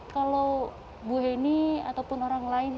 kalau bu heni ataupun orang lain